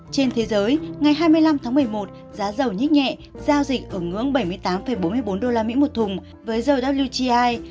trên thế giới ngày hai mươi năm tháng một mươi một giá dầu nhích nhẹ giao dịch ở ngưỡng bảy mươi tám bốn mươi bốn usd một thùng với dầu wti